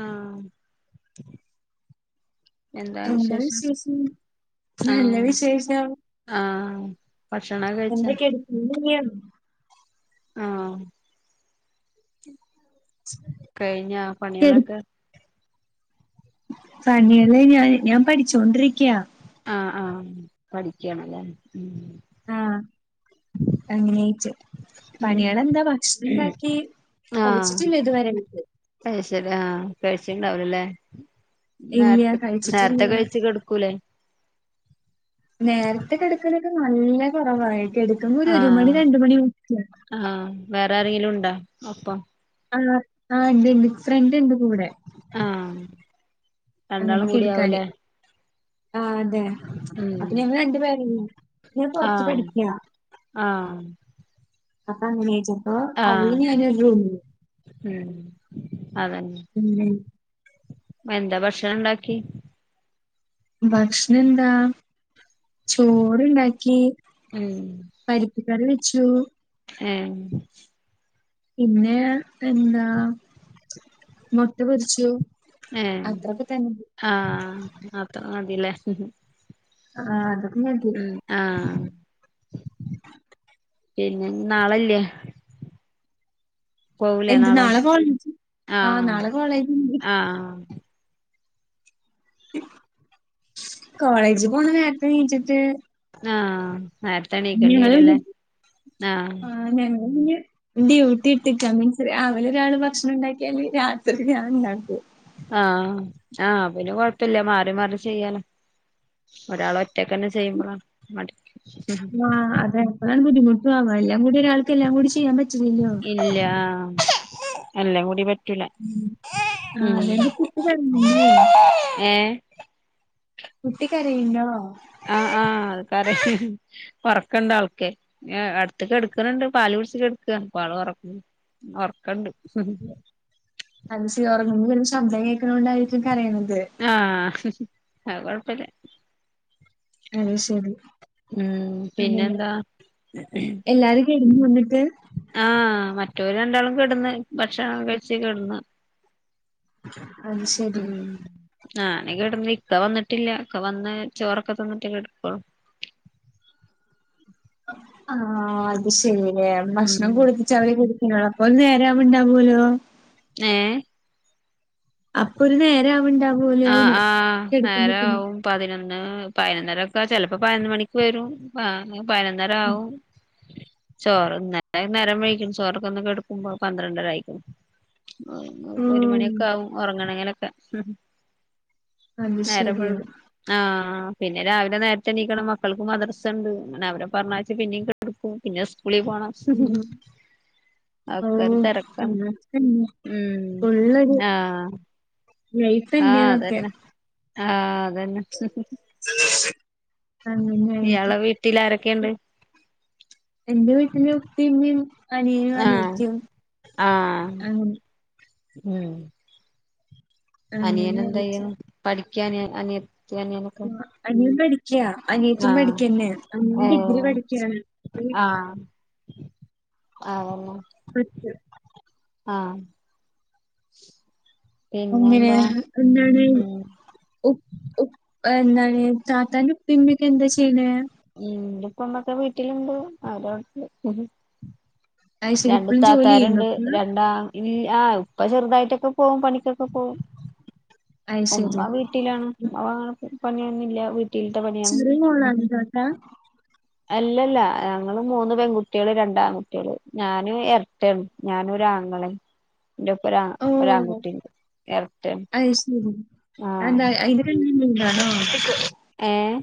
ആഹ് എന്താ വിശേഷം നല്ല ആഹ് വിശേഷം ആഹ് ഭക്ഷണം കഴിച്ച എന്തൊക്കെയ [unintelligible] ആഹ് കഴിഞ്ഞ പണികളൊക്കെ പണിയല്ലേ ഞാൻ ഞാൻ പഠിച്ചോൊണ്ടിരിക്ക ആഹ് ആഹ് പഠിക്കണല്ലേ ഉം ആഹ് അങ്ങന [unintelligible] ഉം പണിളന്താ ഭക്ഷണണ്ടാക്കി കഴിച്ചിട്ടില്ല ഇതുവരെആയിട്ടും ആഹ്ശേരി ആഹ് കഴിച്ച്ണ്ടാവിലല്ലേ? ഇല്ല നേരത്തെ കഴിച്ചിട്ടില്ല നേരത്തെകൈഴിച്ച് കെട്ക്കൂലേ? നേരത്തെ കെടകല്ലോകെ നല്ല കുറവാ കിടക്കുമ്പോ ഒരു മണി ആഹ് രണ്ട് മണി മുക്ക ആഹ് വേറെരെങ്കിലും ഉണ്ടോ ഒപ്പം? ആഹ് ആഹ് ഉണ്ട്ണ്ട് ഫ്രണ്ട് ഉണ്ട് കൂടെ ആഹ് അങ്ങനെ രണ്ടാളും കൂടി കെടുക്കാന് ആവൂലേ ആഹ് അതെ ഉം അപ്പൊ ഞൻ രണ്ടു പേരനുള്ള് ഞാൻ കൊറച്ച് ആഹ് പഠിക്ക ആഹ് അപ്പ അങ്ങനെജ അപ്പ അവന് ആഹ് ഞാനും ഒരു റൂമിൽ ഉം അതന്നെ എന്താ ഭക്ഷണം ഉണ്ടാക്കി? ഭക്ഷണം എന്താ ചോർണ്ടാക്കി ഉം പരിപ്ക്കറി വെച്ചു എഹ് പിന്നെ എന്താ മൊട്ട പൊരിച്ചു. ഹേ അത്രൊക്കെ തന്നെ. ആഹ് അത് മതില്ലേ? ആഹ് അതൊക്കെ മതി ഉം ആഹ് പിന്നെ നാളല്ലേ? എന്ത് നാളെ കോളേജ് ആനാളെ കോളേജ്ണ്ട് ഉണ്ട്. ആഹ്ആഹ് കോളേജ് പോണനെരത്തേനീച്ചിട്ട് ആഹ് നേരത്തെ എണീക്കേണ്ടി ഞാനും വരുംല്ലേ ആഹ് ഞാന് പിന്നെ ഡ്യൂട്ടി ഇട്ക മീൻസ് രാവിലെ ഒരാള് ഭക്ഷണം ഉണ്ടാക്കിയല് രാത്രി ഞൻ ഉണ്ടാകും ആഹ് ആഹ് പിന്നെ കൊഴപ്പല്ല മാറി മാറി ചെയ്യാലോ ഒരാൾ ഒറ്റക്കന്നെ ചെയ്യുമ്പളാണ് മടിക്കും ആഹ് അതെപ്പളാണ് ബുദ്ധിമുട്ടവാ എല്ലാം കൂടി ഒരാൾക്ക്ല്ലാം കൂടി ചെയ്യാൻ പറ്റില്ലല്ലോ ഇല്ല ആഹ് എല്ലാം കൂടി പറ്റ് റ്റുല ആഹ് മ് അതെന്റെ കുട്ടി കരയുന്നു. എഹ് കുട്ടിക്കരയിഞ്ഞോ ആഹ് ആഹ് ക്കരയ്ച്ചിൽ [unintelligible] ഒറക്കണ്ടൾക്ക് അടുത്തകെട്കുനുണ്ട് എഹ് പാല് കുടിച്ച് കേടക്ക പാള് ഒറങ്ങാ ഉ ർക്കണ്ട് [unintelligible] അത് ശരി ഒറങ്ങുപോ പിന്നെ ശബ്ദം കേൾക്കണ കൊണ്ടായിരിക്കും കരയണന്നത് ആഹ് അത് കൊഴപ്പില്ല അത് ശരി ഉം പിന്നെ എന്താ ഇതിനു മുന്നെക്കെ ആഹ് മറ്റൊര് രണ്ടാളും കെടന്ന് ഭക്ഷണം കഴിച്ച് കെടന്ന് അത് ശരി. ഉംമ് [unintelligible] ഞാന് കെട്ടന്ന് ഇക്ക വന്നിട്ടില്ലക്ക വന്ന് ചോറൊക്കെ തിന്നിട്ടേക്കെ കെടുക്കോളു ആഹ് അത് ശരിയി ഉം ഭക്ഷണം കൊടുത്തി- ചവ [unintelligible] ല കുടിക്കണോ അപ്പൊ നേരാ ഇണ്ടാവേലോ ഏ അപ്പൊ ഒരു നേരം ആഹ് ആവണ്ടാവുല്ലോന്ന് ആഹ് കിടക്കുമ്പോത്തിനും നേരാവും പതിനൊന്ന് പതിനൊന്നര ഒക്കെ ചെലപ്പോ പതിനൊന്ന് മണിക്ക് വരും പതിനനൊന്നര ആവും ചോറ് വഴിക്കും ചോറൊക്കെ തിന്ന് കിടക്കുമ്പോ പന്ത്രണ്ടര ആയിക്കും ഒരു ഉം മണിയൊക്കെ ആകും ഉറങ്ങണെങ്ങലൊക്കെ - അത് നേരം ശരി. വെളുക്കും ആഹ് പിന്നെ രാവിലെ നേരത്തെ എണിക്കണം മക്കൾക്ക് മദർസയുണ്ട് അവരെ പറഞ്ഞയച്ച് പിന്നെ കെ - കൊടു [unintelligible] ക്ക പിന്നെ സ്കൂളിൽ പോണം ഉം ഒക്കെ ഒരു ഓഹ് തിരക്കാണ് അങ്ങനൊക്കെന്നെ. ഉം ഫുള്ളൊരു ആഹ് ആഹ് അത് ലൈഫന്നെന്നൊക്കെ തന്നെ ആഹ് അത് തന്നെ അന്നെ ആട്ട ഇയാളെ വീട്ടിൽ ആരൊക്കെയുണ്ട് [unintelligible] എന്റെ വീട്ടല് ഉപ്പയും ഉമ്മയും അനിയനും ആഹ് അനിയത്തിയും ആഹ് അ- ഉം അനിയൻ എന്താ അങ്ങനായിട്ട്. ചെയ്ണു പഠിക്കൻ അനിയത്തി അനിയനൊക്കെ അനിയൻ പഠിക്ക അനിയത്തിയും ആഹ് പഠിക്ക തന്നെയാ അനിയൻ ഡിഗ്രി ഏഹ് പഠിക്കയാണ് ആ തന്നെ പ്ലസ്ടു ആഹ് അങ്ങനെ പിന്നെന്താ എന്താണ് ഉം ഉ [unintelligible] എന്താണ് താത്താന്റെ ഉപ്പയും ഉമ്മയൊക്കെ എന്താ ചെയ്യണ് ഉം ഉപ്പയുമ്മയൊക്കെ വീട്ടിലുണ്ട് അവരോ- അത് ശരി രണ്ട് ഇപ്പളും ജോലി ചെയ്യണ്ടോ താത്താരുണ്ട് ഉപ്പ? രണ്ടാ- ആഹ് ഉപ്പ ചെറുതായിട്ടൊക്കെ പോകും പണിക്കൊക്കെ പോകും അത് ഉമ്മ ശരി. വീട്ട- വീട്ടിലാണ് അവ പണിയൊന്നില്ല ചെറിയ മോളാണ് താത്താ അല്ലല്ലാ ഞങ്ങള് മൂന്ന് പെൺകുട്ടികള് രണ്ട് ആൺകുട്ടികള് ഞാന് എരട്ടെണ് ഞാനും ഒര് അങ്ങളേം ഇന്റൊപ്പം ഓ ഒരാൺകുട്ടിയുണ്ട് എരട്ടയാണ് അത് ശരി ആഹ് അന്താ ഇത് കണ്ടാ [unintelligible] ണോ ഏയേ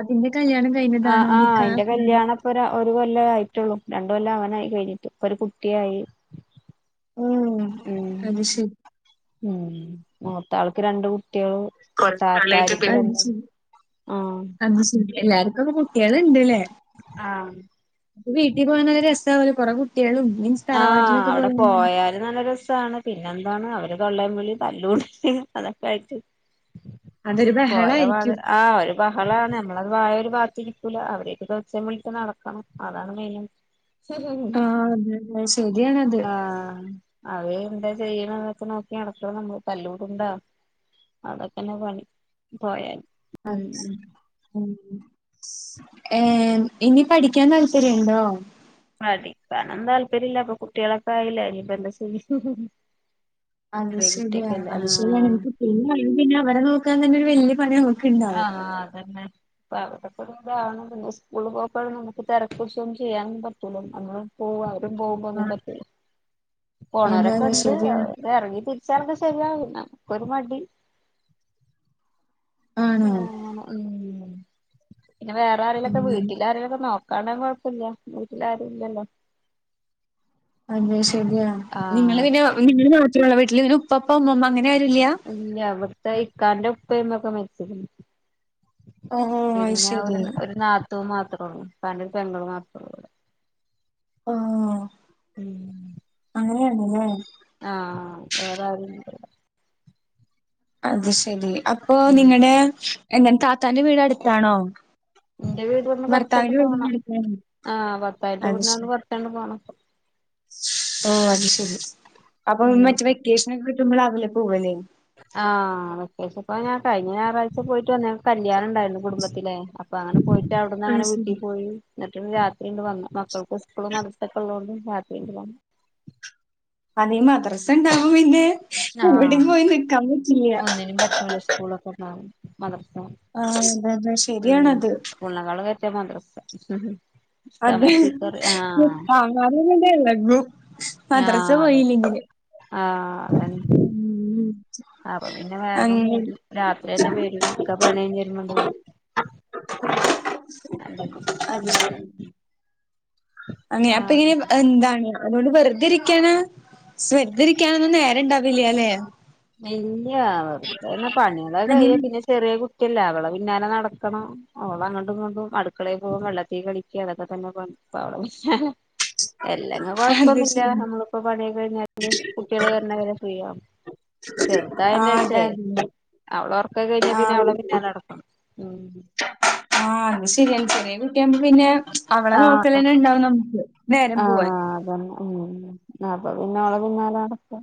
അതിന്റെ കല്യാണം ക - ആഹ് ആഹ് അയിന്റെ കല്യാണ- ഒരു കൊല്ലെ ആയിട്ടുള്ളൂ രണ്ട് കൊല്ലം അവനായി കഴിഞ്ഞിട്ട് ഇപ്പ ഒരു കുട്ടിയായി- ഓഹ് ഉം അത് ശരി ഉം മൂത്ത ആൾക്ക് രണ്ട് കു- കൊറച്ച് കാലായിട്ട് ആഹ് അത് ശരി എല്ലാർക്കും അപ്പം കുട്ടികള് ഉണ്ട് ഇല്ലേ ആഹ് ആ വീട്ടിൽ പോകാൻ നല്ല രസമാകല്ലോ കുറെ കുട്ടികളും മീൻസ് ആഹ് തറവാട്ടിലൊക്കെ അവിടെ പോയാൽ പോയാ- അത് നല്ല രസമാണ് പിന്നെ എന്താണ് അവര് തൊള്ളേംവിളിം തല്ലൂടൽ അതൊക്കെ ആയിട്ട്- അതൊരു പോയപാട് ബഹളായിരിക്കും. ആഹ് ഒരു ബഹളാണ് നമ്മളത് വായ ഒരു ഭാഗത്ത് ഇരിക്കൂല. അവരൊക്ക ഒച്ചെം വിളിയും ട്ട് നടക്കണം. അതാണ് മെയിൻ ഹ ഹ ഹ അഹ് ശെരിയാണത് അവര് എന്താ ചെയ്യ്ണ് എന്നൊക്കെ നോക്കി നടക്ക് നമ്മക്ക് തല്ലൂട്ൻണ്ടാ അതൊക്കെന്നെ പണി പോയാൽ അച് ഉം ഏഹ് ഇനി പഠിക്കാൻ താല്പര്യംണ്ടോ പഠിക്കാനൊന്നും താല്പര്യം ഇല്ല. ഇപ്പൊ കുട്ട്യേളൊക്കെ ആയില്ലേ ഇനിപ്പ എന്താ ചെയ്യ അത് ചെറിയ ശെരിയാ. കുട്ടിയൊക്കെല്ലേ അത് ശെരിയാണ് ആഹ് എനിക്ക് [unintelligible] അവരെ നോക്കാൻ തന്നെ ഒരു വല്യ പണിയാണൊ ആഹ് അതന്നെ [unintelligible] സ്കൂളില് പോവുമ്പ [unintelligible] ന്നും നമുക്ക് തെരക്ക് പിടിച്ചൊന്നും ചെയ്യാനൊന്നും പറ്റൂലന്ന് നമ്മള് പോവാ അവരും പോകുമ്പ ഒന്നും ആഹ് പറ്റൂല അതെ പോണോരൊക്ക അതെ ഇണ്ട് ശരിയാണ് ഇത് എറങ്ങി തിരിച്ചാലൊക്കെ ശരിയാകും നമ്മക്കൊരു മടി ആണ് ആഹ് അങ്ങന ഉം പിന്നെ വേറെ ആരേലൊക്ക അങ്ങനെ വീട്ടിലാരേലൊക്ക നോ കാണാൻ കൊഴപ്പെല്ല വീട്ടിലാരും ഇല്ലല്ലോ അത് ശരിയാ. നിങ്ങള് ആഹ് പിന്നെ നിങ്ങള് മാത്രേ ഒള്ളാ വീട്ടില് പിന്നെ ഉപ്പപ്പ ഉമ്മമ്മ അങ്ങനെ ആരു ഇല്യാ ഇല്ല ഇവിട്ത്തെ ഇക്കാന്റെ ഉപ്പയ് ഉമ്മേക്ക മരിച്ച്ക്ക്ണ് ഓഹോ അത് പിന്നാ ശരി ഒരു ഒരു നാത്തൂൻ മാത്ര ഒള്ളൂ ഉപ്പാൻ്റെ ഒരു പെങ്ങള് മാത്ര ഒള്ളു ആഹ് ഉം അങ്ങനെയാരുന്ന്ലേ ആഹ് വേറാരും ഇല്ല അവിടെ അത് ശെരി അപ്പൊ ഉം നിങ്ങടെ എന്താണ് താത്താന്റെ വീട് അടുത്താണോ ഇന്റെ വീടീന്ന് ഭർത്താവിന്റെ കൊറച്ചടുത്ത് വീടിന്റെ പോണം. അടുത്താണോ? ആഹ് ഭർത്താവിൻ്റെ അത് വീട്ടിനട്ന്ന് ശരി കൊറച്ചങ്ങ് പോണം ഓഹ് അത് ശെരി. അപ്പ മ്മച്ച് ഉം വെക്കേഷന് കിട്ടുമ്പലാകൂലേ പോവലെ ആഹ് വെക്കേഷൻ ഇപ്പ ഞാൻ കഴിഞ്ഞ ഞായറാഴ്ച പോയിട്ട് വന്നേ കല്യാണം ഇണ്ടായിരുന്നു കുടുംബത്തിലെ അപ് അപ്പ അങ്ങന പോയിട്ട് അവിട്ന്ന അത് അങ്ങന വീട്ടി ശരി പോയി എന്നിട്ട് രാത്രി ഇണ്ട് വന്നു. മക്കൾക്ക് സ്കൂളും മദ്രസെ ക്ക ഒള്ളോണ്ട് രാത്രി ഇങ്ങട് വന്നു അതീ മദ്രസ ഇണ്ടാവുമ്പം പിന്നെ എവിടേം പോയി നിൽക്കാൻ പറ്റില്ല അയ്‌നും പറ്റൂല സ് സ്‌കൂളൊക്കെ ഇണ്ടാവും മദ്റസ ആഹ് എന്താ അത് ശരിയാണത് സ്കൂളിനേക്കാളും [unintelligible] മദറസ [unintelligible] ആഹ് നല്ല വെ [unintelligible] ആഹ് അതെ ആഹ് അതന്നെ ഉം അപ്പൊ പിന്നെ വേഗം അങ്ങനെ വെരും രാത്രിയ ന്നെ വെരും. ഇക്ക പണി കഴിഞ്ഞ് വരുണോണ്ട് വരും [unintelligible] അങ്ങേ അപ്പ ആഹ് ഇനി ബ [unintelligible] എന്താണ് അതുകൊണ്ട് വെറുതിരിക്കാനാ ശ്രദ്ധ തിരിക്കാനും നേരം ഇണ്ടാവില്ലാലെ ഇല്ലാ അവളെട്ത്ത് തന്നെ പണികള് കഴിയ പിന്നെ ചെറിയ കുട്ടിയെല്ലേ അവളെ പിന്നാലെ നടക്കണം ഓള് അങ്ങട്ടും ഇങ്ങട്ടും അടുക്കളേ പോകും. വെള്ളത്തീ കളിക്കും അതൊക്ക തന്ന പണി ഇപ്പ അവള വിളിച്ച [unintelligible] അല്ലങ്ങ് അത് കൊഴപ്പൊന്നു ഇല്ല. ശരി നമ്മള് ഇപ്പോ പണിയൊക്ക കഴിഞ്ഞാലും കുട്ടികള് വര്ണ വരെ ഫ്രീ ആകും ആ ചെറുതായേന്റേഷേ അതെ അതെ അവള് ഒറക്കൊക്കെ കഴിഞ്ഞാ പിന്നെ ആ അവളെ പിന്നാലെ നടക്കണം ഉം ആഹ് അത് ശെരിയാണ് ചെറിയകുട്ടി ആവ്മ്പ പിന്നെ. അവളെ ആഹ് നോക്കലെന്നെ ഇണ്ടാവും നമുക്ക് നേരം പുവാൻ ആഹ് അതന്നെ ഉം അപ്പ പിന്നെ ഓളെ പിന്നാലെ നടക്കാ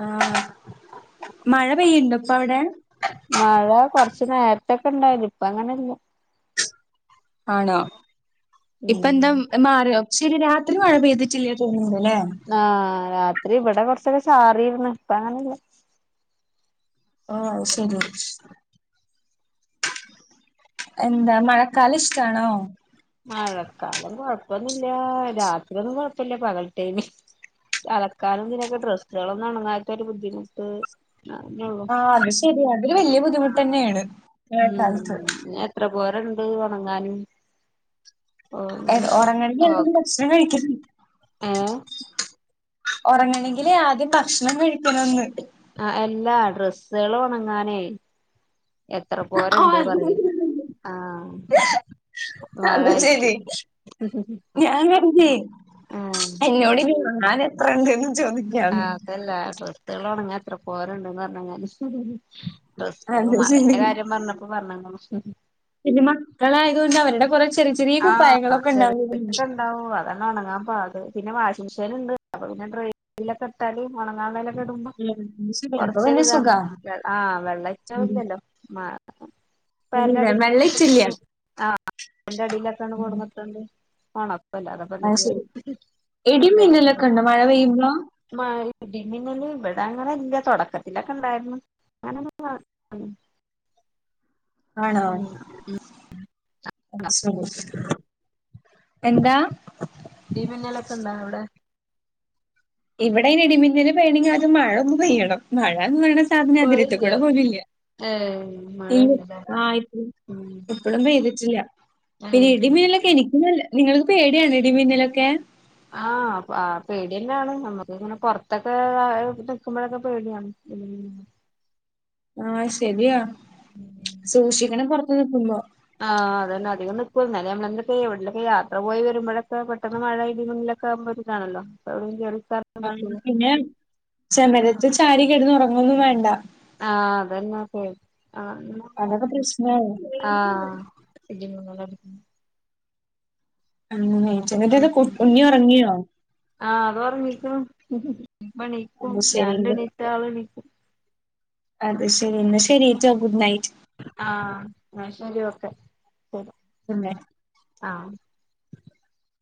ആഹ് മഴ പെയ്യുണ്ടോ ഇപ്പൊ അവടെ മഴ കൊറ്ച്ച് നേര്ത്തൊക്കെ ഇണ്ടായിന്നി. ഇപ്പ അങ്ങനെ ഇല്ല ആണോ -ഇപ്പ ഉം എന്താ മാറിയോ ഇച്ചിരി രാത്രി മഴ പെയ്തിട്ടില്ലേ തോന്നുന്നല്ലേ ആഹ് രാത്രി ഇവടെ കൊറച്ചൊക്കെ ചാറീര്ന്ന് ഇപ്പ അങ്ങനെയില്ല ആഹ് അഹ് ഉം ശരി എന്താ മഴക്കാലം ഇഷ്ടാണോ മഴക്കാലം കൊഴപ്പൊന്നുല്ലാ രാത്രിയൊന്നും കൊഴപ്പല്ല പകൽ ടേണി തലക്കാലം ഇതിനൊക്കെ ഡ്രെസ്സുകളും ഒന്നും ഒണങ്ങാത്തൊരു ബുദ്ധിമുട്ട് അനൊള്ളു ആഹ് അത് ശെരിയാണ് അതില് വല്യ ബുദ്ധിമുട്ടന്നെയാണ് മഴക്കാലത്ത് ത്ര പോരുണ്ട് ഒണങ്ങാൻ ഓക്ക് [unintelligible] ഏഹ് ഒറങ്ങണങ്കില് ആദ്യം ഭക്ഷണം കഴിക്കണോന്ന് ആ എല്ലാ ഡ്രെസ്സ്സാൾ ഉണങ്ങാൻ എത്ര പോരണ്ട്ന്ന് അറിയോ മഴ അത് ആയിട്ട് ശരി ഹമ്-ഹമ് ഞാൻ കണ്ടി എന്നോട് ഞാൻ എത്ര ഉണ്ട്ന്ന് ചോദി ആ അതല്ല ഡ്രെസ്സുകൾ ഉണങ്ങാൻ എത്ര പോരണ്ട്ന്ന് പറഞ്ഞാഴിഞ്ഞാൽ ഡ്രസ്സ് അത് ശരി മഴന്റെ കാര്യം പറഞ്ഞപ്പോ പറഞ്ഞ പിന്നെ മക്കളായതുകൊണ്ട് അവരുടെ കൊറേ ചെറി അഹ് [unintelligible] ണ്ടവു അതന്നെ ഉണങ്ങാൻ പാട് പിന്നെ വാഷിംഗ് മെഷീൻ ഉണ്ട് പിന്നെ ട്രൈലോകേ ഇട്ടാല് ഉണങ്ങൻ ഇടുമ്പോ അപ്പൊ കൊറച്ചൊരു പിന്നെ ഇതാണ് സുഖാ വെ ആ വെള്ള ഇറ്റല്ലല്ലോ മ്മ [unintelligible] പാന്റിന്റെ അടിൽ വെള്ളം കൊണ്ടന്നു ഇച്ചില്ല ഇടൂ അഹ് അടിയിലൊക്കെണ് [unintelligible] ഓണാക്കും ആയിശരി ചെറിയ എടിമീനലോക്കെ ചെറിയ ഇണ്ടോ മഴ പെയ്യുമ്പോ മഴ ഇടി മിന്നൽ ഇവിടെ അങ്ങനില്ല തുടക്കത്തിലൊക്കെ ഉണ്ടായിരുന്നു അങ്ങനെ [unintelligible] ആണോ ഉം അത് ശെരി എന്താ ഇടിമീനലോക്കെ ഇണ്ടോ അവിടെ ഇവിടെ ഇടിമിന്നല് പെയ്യണെങ്കിൽ ആദ്യം മഴ ഒന്ന് പെയ്യണം മഴ എന്ന് പാറീനെ സാധനോ മഴ അതരടി തി കൂടി ഇല്ലേ? പോണില ഏഹ് മഴ ഇല്ല ഇല്ലല്ലേ ഉം [unintelligible] ഇവിടെ പെയ്തിട്ടില്ല പിന്നെ ഏഹ് ഇടിമിന്നലൊക്കെ എനിക് നല്ല നിങ്ങൾക്ക് പേടിയാണല്ലേ ഇടിമിന്നലൊക്കെ അഹ് ആ പേടി തന്നെയാണ് നമ്മുക്ക് ഇങ്ങനെ പുറത്തൊക്കെ നിൽക്കുമ്പോഴക്കെ പേടിയാണ് അഹ് ശരിയാ സൂക്ഷിക്കണം പുറത്തു നിക്കുമ്പോ ആഹ് അതെനെ അധികം നിക്കൂ എന്നാൽ നമ്മളെന്തൊക്കെ എവിടലൊക്കെ യാത്ര പോഴി വരുമ്പഴൊക്കെ പേട്ടന്ന് മഴ പെയ്തു [unintelligible] [unintelligible] ആ പിന്നെ ചമരത്ത് ചാരി കിടന്ന് ഉറങ്ങൊന്നും വേണ്ട അഹ് അതെന്നെ [unintelligible] അതൊക്കെ പ്രശ്നയതല്ലെ അഹ് [unintelligible] അധ് [unintelligible] അത് കുഞ്ഞി ഉറങ്ങിയോ അഹ് അത് ഉറങ്ങിക്കുന്നു [unintelligible] ഇപ്പോ എണിക്കും അത് ശരി. ഞാന് ഏണിച്ചാൽ അവൾ ഏണിക്കും അത് ശരി എന്നാ ശരിട്ടൊ ഗുഡ് നൈറ്റ് അഹ് എന്ന ശരി ഓക്കെ ഗൂഡണൈറ് അഹ്